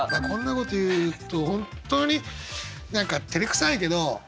こんなこと言うと本当に何かてれくさいけど。